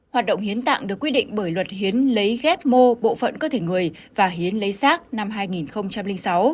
hoạt động hiến tạng được quy định bởi luật hiến lấy ghép mô bộ phận cơ thể người và hiến lấy rác năm hai nghìn sáu